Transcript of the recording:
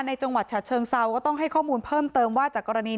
จังหวัดฉะเชิงเซาก็ต้องให้ข้อมูลเพิ่มเติมว่าจากกรณี